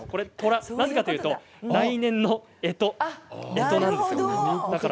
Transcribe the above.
なぜかというと来年のえとなんです。